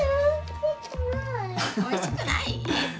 おいしくない？